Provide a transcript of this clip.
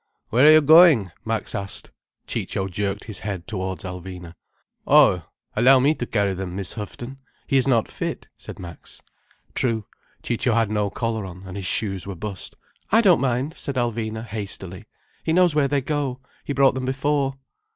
"Where are you going?" Max asked. Ciccio jerked his head towards Alvina. "Oh, allow me to carry them, Miss Houghton. He is not fit—" said Max. True, Ciccio had no collar on, and his shoes were burst. "I don't mind," said Alvina hastily. "He knows where they go. He brought them before."